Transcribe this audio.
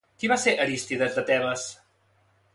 Qui va ser Aristides de Tebes?